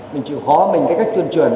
mình chịu khó mình cái cách tuyên truyền